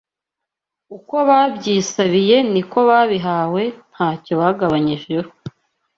uko babyisabiye niko babihawe ntacyo bagabanyijeho